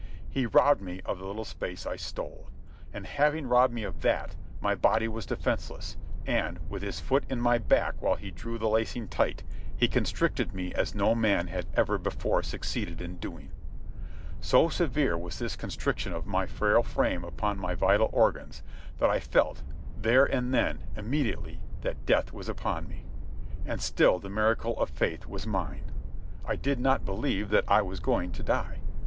He robbed me of the little space I stole. And, having robbed me of that, my body was defenceless, and, with his foot in my back while he drew the lacing light, he constricted me as no man had ever before succeeded in doing. So severe was this constriction of my frail frame upon my vital organs that I felt, there and then, immediately, that death was upon me. And still the miracle of faith was mine. I did not believe that I was going to die.